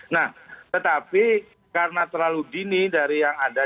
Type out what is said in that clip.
nah tetapi karena terlalu dini dari yang ada